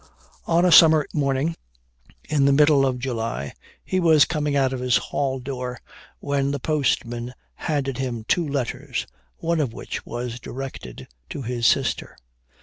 On a summer morning, in the middle of July, he was coming out of his hall door, when the postman handed him two letters, one of which was directed to his sister.